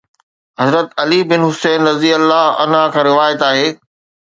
حضرت علي بن حسين رضي الله عنه کان روايت آهي.